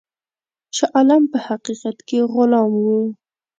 شاه عالم په حقیقت کې غلام وو.